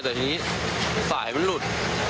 แต่ทีนี้สายมันหลุด